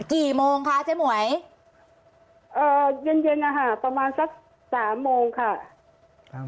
กี่โมงคะเจ๊หมวยเอ่อเย็นอาหารประมาณสักสามโมงค่ะ